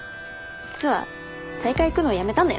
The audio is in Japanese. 実は大会行くのやめたんだよね。